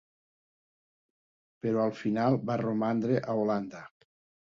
Però al final va romandre a Holanda.